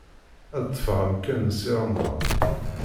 Ad ṭṭfeɣ amkan n Si Remḍan.